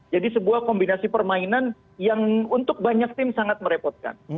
jadi sebuah kombinasi permainan yang untuk banyak tim sangat merepotkan